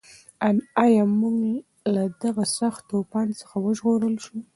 ایا موږ له دغه سخت طوفان څخه وژغورل شوو؟